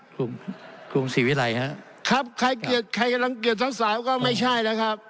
กลุ่มกรุงศรีวิรัยฮะครับใครเกลียดใครกำลังเกลียดสาวก็ไม่ใช่แล้วครับ